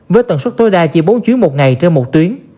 với tần suất tối đa chỉ bốn chuyến một ngày trên một tuyến